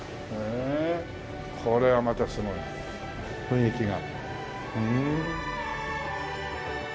これはまたすごいね雰囲気が。